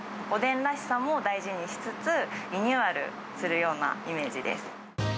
おでんらしさも大事にしつつ、リニューアルするようなイメージです。